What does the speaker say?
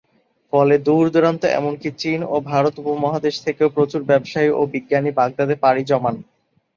ফলে দূর-দূরান্ত এমনকি চীন ও ভারত উপমহাদেশ থেকেও প্রচুর ব্যবসায়ী ও বিজ্ঞানী বাগদাদে পাড়ি জমান।